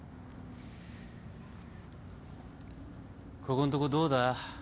ここんとこどうだ？